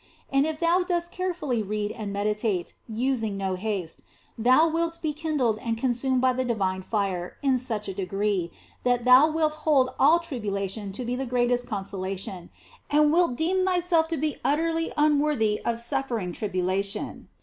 And if thou dost carefully read and meditate, using no haste, thou wilt be kindled and consumed by the divine fire in such a degree that thou wilt hold all tribulation to be the greatest consola tion, and wilt deem thyself to be utterly unworthy of suffering tribulation.